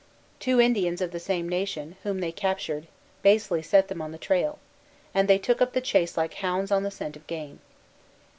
Two Indians of the same nation, whom they captured, basely set them on the trail; and they took up the chase like hounds on the scent of game.